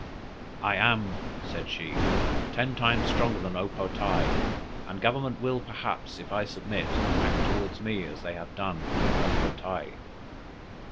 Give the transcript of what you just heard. "I am," said she, "ten times stronger than O po tae, and government will perhaps, if I submit, act towards me as they have done with O po tae."